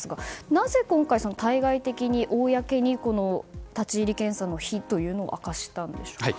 なぜ今回、対外的に公に立ち入り検査の日というのを明かしたんでしょうか。